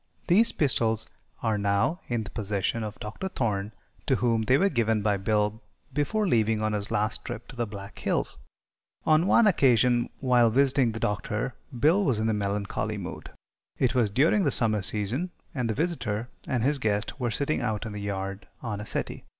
These pistols are now in the possession of Dr. Thorne, to whom they were given by Bill before leaving on his last trip to the Black Hills. On one occasion, while visiting the Doctor, Bill was in a melancholy mood. It was during the summer season, and the visitor and his guest were sitting out in the yard on a settee.